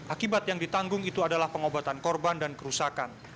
akibat yang ditanggung itu adalah pengobatan korban dan kerusakan